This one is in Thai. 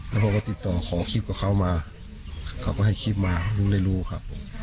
แล้วผมก็ติดต่อขอคลิปกับเขามาเขาก็ให้คลิปมารู้ได้รู้ครับ